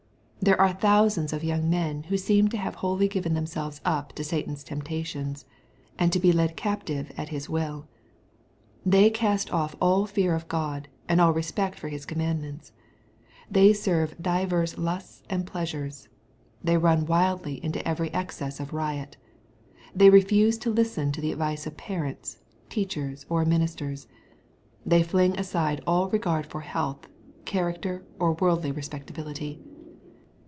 There are thousands of young men who seem to have wholly given themselves up to Satan's temptations, and to be led captive at his will. Thev cast off all fear of God, and all respect for His command ments. They serve divers lusts and pleasures. They run wildly into eveiy excess of riot. They refuse to listen to the advice of parents, teachers, or ministers. They fling aside all regard for health, character, or worldly respectability.